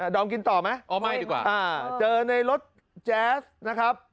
ดอมกินต่อไหมอ๋อไม่ดีกว่าเจอในรถแจ๊สนะครับ